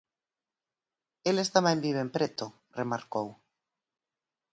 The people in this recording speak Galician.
Eles tamén viven preto, remarcou.